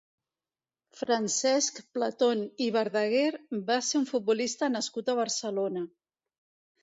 Francesc Platon i Verdaguer va ser un futbolista nascut a Barcelona.